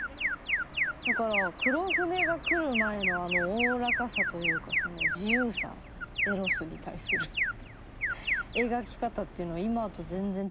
だから黒船が来る前のあのおおらかさというか自由さエロスに対する描き方っていうのは今と全然違いましたね。